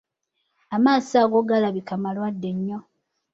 Amaaso ago galabika malwadde nnyo.